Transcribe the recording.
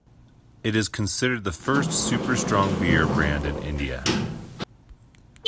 It is considered the first super-strong beer brand in India.